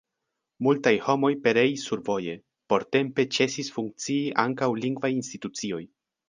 Multaj homoj pereis survoje, portempe ĉesis funkcii ankaŭ lingvaj institucioj.